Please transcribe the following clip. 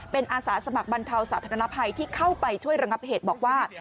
เป็นอาสาสมัครบรรเทาสาธารณภัยที่เข้าไปช่วยระงับเหตุบอกว่า